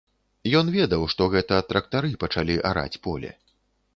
Ён ведаў, што гэта трактары пачалі араць поле.